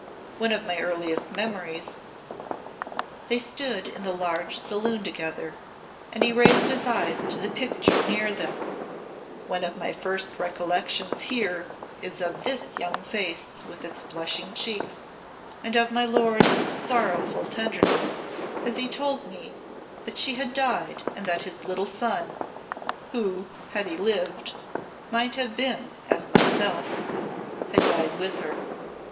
One of my earliest memories" they stood in the large saloon together, and he raised his eyes to a picture near them "one of my first recollections here is of this young face with its blushing cheeks, and of my lord's sorrowful tenderness as he told me that she had died and that his little son who, had he lived, might have been as myself had died with her."